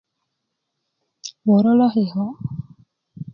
wörö lo kikö